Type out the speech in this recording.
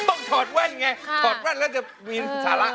ถอดแว่นไงถอดแว่นแล้วจะมีสาระ